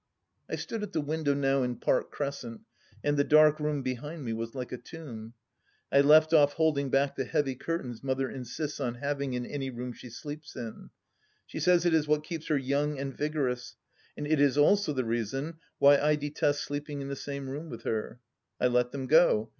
I stood at the window now in Park Crescent, and the dark room behind me was like a tomb. I left off holding back the heavy curtains Mother insists on having in any room she sleeps in. She says it is what keeps her young and vigorous, and it is also the reason why I detest sleeping in the same room with her. I let them go.